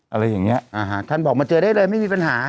อะไรอย่างเงี้อ่าฮะท่านบอกมาเจอได้เลยไม่มีปัญหา